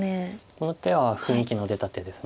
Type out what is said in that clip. この手は雰囲気の出た手です。